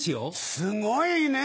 すごいね！